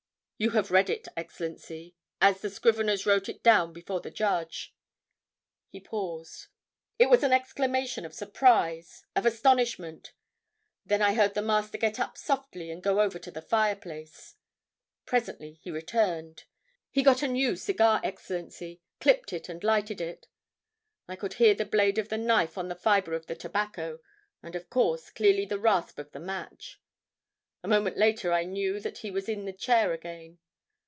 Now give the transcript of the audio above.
You have read it, Excellency, as the scriveners wrote it down before the judge." He paused. "It was an exclamation of surprise, of astonishment. Then I heard the Master get up softly and go over to the fireplace... Presently he returned. He got a new cigar, Excellency, clipped it and lighted it. I could hear the blade of the knife on the fiber of the tobacco, and of course, clearly the rasp of the match. A moment later I knew that he was in the chair again.